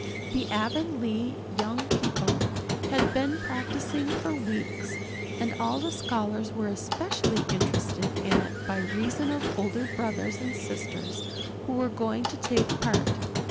The Avonlea young people had been practicing for weeks, and all the scholars were especially interested in it by reason of older brothers and sisters who were going to take part.